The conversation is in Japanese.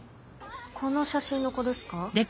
この写真の子ですか？